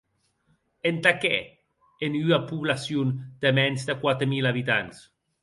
Entà qué, en ua poblacion de mens de quate mil abitants?